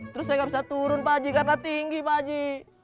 terus saya gak bisa turun pak ji karena tinggi pak ji